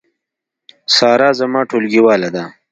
سارا زما ټولګیواله ده